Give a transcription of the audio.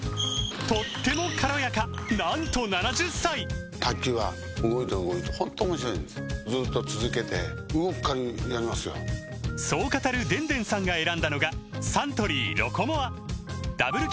とっても軽やかなんと７０歳そう語るでんでんさんが選んだのがサントリー「ロコモア」ダブル